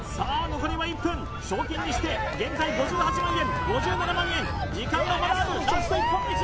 残りは１分賞金にして現在５８万円５７万円時間はまだあるラスト一本道